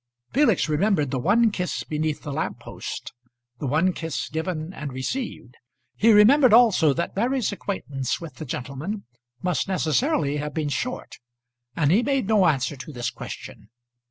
Felix remembered the one kiss beneath the lamp post, the one kiss given, and received. He remembered also that Mary's acquaintance with the gentleman must necessarily have been short; and he made no answer to this question.